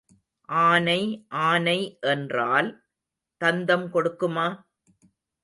ஆனை ஆனை என்றால் தந்தம் கொடுக்குமா?